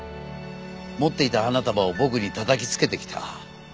持っていた花束を僕にたたきつけてきた。